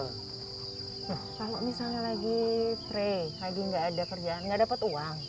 kalau misalnya lagi pre lagi nggak ada kerjaan nggak dapat uang